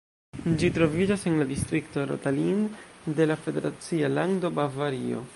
Ĝi troviĝas en la distrikto Rottal-Inn de la federacia lando Bavario.